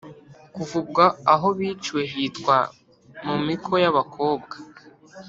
kuva ubwo aho biciwe hitwa "mu miko y'abakobwa”.